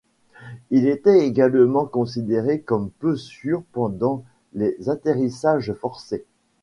Il était également considéré comme peu sûr pendant les atterrissages forcés.